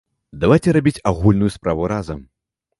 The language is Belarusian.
Давайце рабіць агульную справу разам!